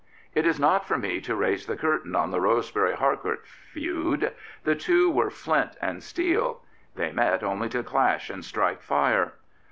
It is not for me to raise the curtain on the Roseben^ Harcourt feud. The two were flint and steel. They met only to clash and strike fire.